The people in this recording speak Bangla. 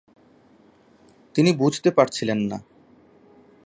তিনি বুঝতে পারছিলেন না।